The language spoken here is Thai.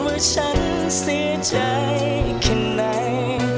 ว่าฉันเสียใจแค่ไหน